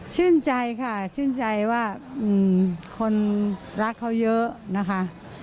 ชื่นใจค่ะชื่นใจว่าคนรักเขาเยอะนะคะ